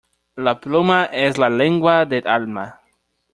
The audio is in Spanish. La pluma es la lengua del alma.